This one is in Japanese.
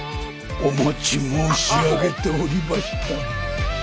お待ち申し上げておりました。